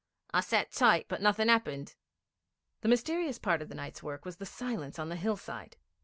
I sat tight, but nothing happened.' The mysterious part of the night's work was the silence on the hillside.